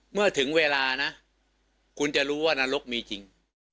เมื่อถึงเวลานะคุณจะรู้ว่านรกมีจริง